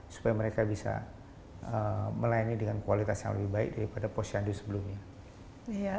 supaya mereka bisa melayani dengan kualitas yang lebih baik daripada posyandu sebelumnya